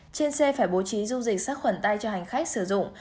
trên xe phải bố trí dung dịch sát khuẩn tay cho hành khách sử dụng